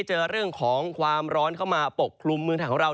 เจอเรื่องของความร้อนเข้ามาปกคลุมเมืองไทยของเรา